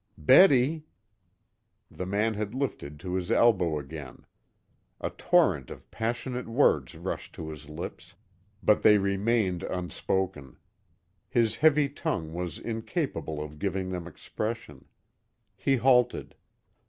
"Betty!" The man had lifted to his elbow again. A torrent of passionate words rushed to his lips. But they remained unspoken. His heavy tongue was incapable of giving them expression. He halted.